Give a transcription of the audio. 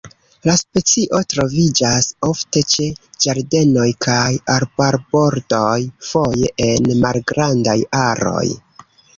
La specio troviĝas ofte ĉe ĝardenoj kaj arbarbordoj, foje en malgrandaj aroj.